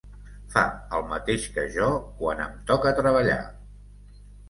Fa el mateix que jo quan em toca treballar.